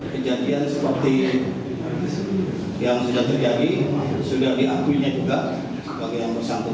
kejadian seperti yang sudah terjadi sudah dianggap